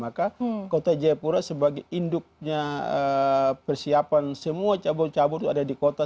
maka kota jayapura sebagai induknya persiapan semua cabur cabur itu ada di kota